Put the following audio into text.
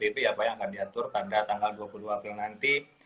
itu yang akan diatur pada tanggal dua puluh dua abril nanti